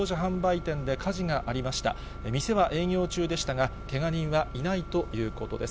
店は営業中でしたが、けが人はいないということです。